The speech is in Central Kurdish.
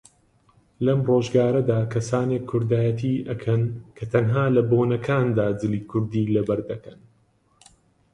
لەم ڕۆژگارەدا کەسانێک کوردایەتی ئەکەن کە تەنها لە بۆنەکاندا جلی کوردی لەبەردەکەن